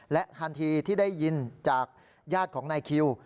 และทันทีที่ได้ยินจากญาติของนายคิว